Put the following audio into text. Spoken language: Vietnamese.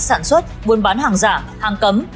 sản xuất buôn bán hàng giả hàng cấm